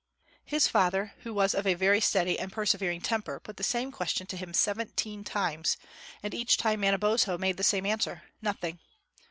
His father, who was of a very steady and persevering temper, put the same question to him seventeen times, and each time Manabozho made the same answer "Nothing."